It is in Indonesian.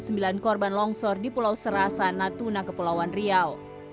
sembilan korban longsor di pulau serasa natuna kepulauan riau